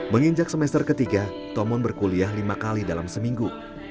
menginjak semester ketiga tomon berkuliah lima kali dalam seminggu